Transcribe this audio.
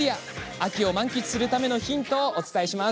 秋を満喫するためのヒントをお伝えします。